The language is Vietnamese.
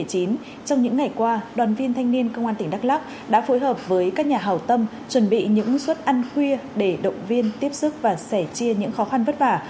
trong những ngày qua đoàn viên thanh niên công an tỉnh đắk lắc đã phối hợp với các nhà hào tâm chuẩn bị những suất ăn khuya để động viên tiếp sức và sẻ chia những khó khăn vất vả